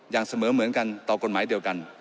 อย่างเสมอเหมือนกันต่อกฎหมายเดียวกัน